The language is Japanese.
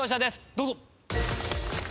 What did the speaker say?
どうぞ。